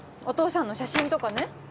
お父さんの写真とかね